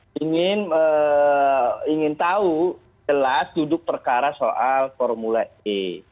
yang tujuh fraksi ingin tahu jelas duduk perkara soal formula e